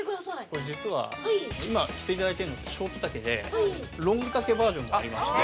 ◆これ、実は、今、着ていただいているのは、ショート丈で、ロング丈バージョンもありまして。